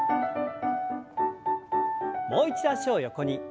もう一度脚を横に。